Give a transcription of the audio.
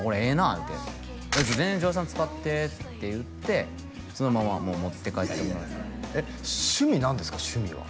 言うて「全然丈弥さん使って」って言ってそのままもう持って帰ってもらえっ趣味何ですか趣味は？